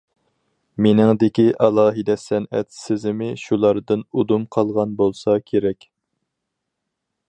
مېنىڭدىكى ئالاھىدە سەنئەت سېزىمى شۇلاردىن ئۇدۇم قالغان بولسا كېرەك.